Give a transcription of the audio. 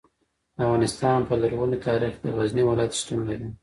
د افغانستان په لرغوني تاریخ کې د غزني ولایت شتون لري.